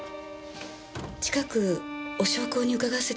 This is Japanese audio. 近くお焼香に伺わせていただきます。